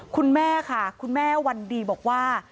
คุณแม่ค่ะคุณแม่วันดีบอกว่า